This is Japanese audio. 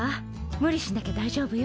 無理しなきゃ大丈夫よ。